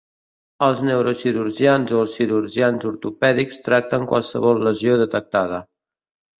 Els neurocirurgians o els cirurgians ortopèdics tracten qualsevol lesió detectada.